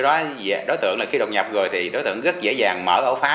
do đó đối tượng là khi đồng nhập rồi thì đối tượng rất dễ dàng mở ổ phá